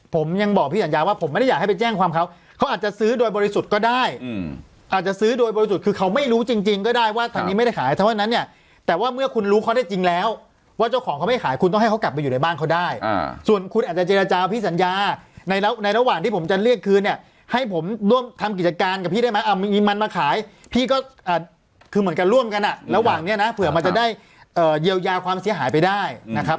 ผมยังบอกพี่สัญญาว่าผมไม่ได้อยากให้ไปแจ้งความเขาเขาอาจจะซื้อโดยบริสุทธิ์ก็ได้อืมอาจจะซื้อโดยบริสุทธิ์คือเขาไม่รู้จริงจริงก็ได้ว่าทางนี้ไม่ได้ขายเท่านั้นเนี้ยแต่ว่าเมื่อคุณรู้เขาได้จริงแล้วว่าเจ้าของเขาไม่ขายคุณต้องให้เขากลับไปอยู่ในบ้านเขาได้อ่าส่วนคุณอาจจะเจรจาวพี่สัญญาใ